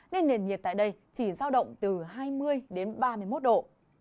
nên nền nhiệt tại đây chỉ giao động từ hai mươi đến ba mươi một độ